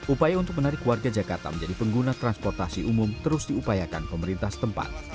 upaya untuk menarik warga jakarta menjadi pengguna transportasi umum terus diupayakan pemerintah setempat